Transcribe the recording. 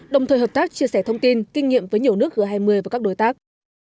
đồng thời hợp tác chia sẻ thông tin kinh nghiệm với nhiều nước g hai mươi và các đối tác